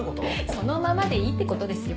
そのままでいいってことですよ。